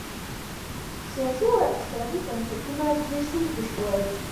سیاسي او اقتصادي بنسټونه زبېښونکي شول